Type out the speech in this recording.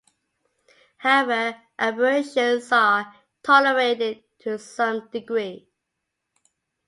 However, Aberrations are tolerated to some degree.